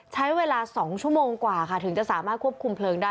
ใช้เวลา๒ชั่วโมงกว่าค่ะถึงจะสามารถควบคุมเพลิงได้